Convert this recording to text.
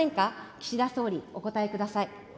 岸田総理、お答えください。